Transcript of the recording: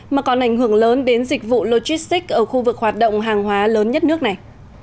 mà còn ảnh hưởng lớn đến dịch vụ logistics ở khu vực hoạt động hàng hóa lớn nhất nước này